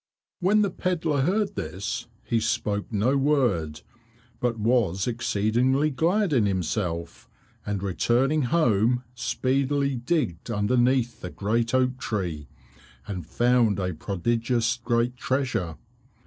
When the pedlar heard this he spoke no word, but was exceeding glad in himself, and returning home speedily, digged underneath the great oak tree, and found a prodigious great treasure.